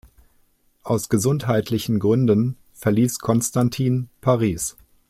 Aus gesundheitlichen Gründen verließ Constantin Paris.